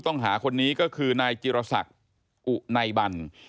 นี่ก็คือนายจิรษักร์อุนายบัล